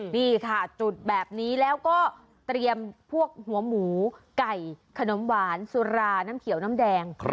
นี่ค่ะจุดแบบนี้แล้วก็เตรียมพวกหัวหมูไก่ขนมหวานสุราน้ำเขียวน้ำแดง